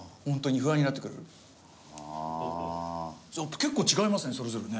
結構違いますねそれぞれね。